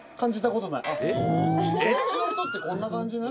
こっちの人ってこんな感じね。